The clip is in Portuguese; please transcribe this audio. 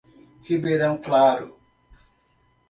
Ribeirão Claro